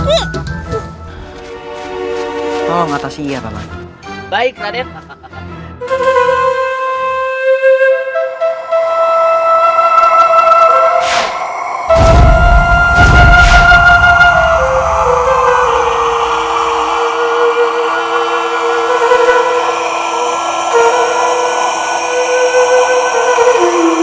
uh dasar laki laki